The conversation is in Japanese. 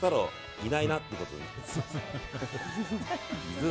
いないなっていうことで。